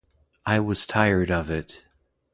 I was tired of it.